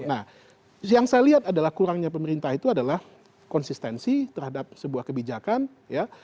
nah yang saya lihat adalah kurangnya pemerintah itu adalah konsistensi terhadap sebuah kebijakan ya